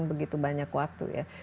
begitu banyak waktu ya